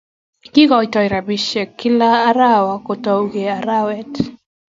Kikoitoi ripotishiek kila arawa kukataukei arawet